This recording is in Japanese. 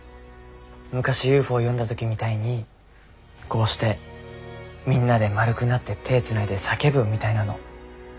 昔ＵＦＯ呼んだ時みたいにこうしてみんなで円くなって手つないで叫ぶみたいなの。